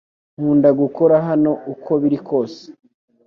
Nkunda gukora hano uko biri kose